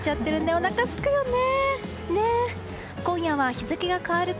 おなかすくよね。